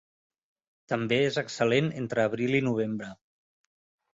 També és excel·lent entre abril i novembre.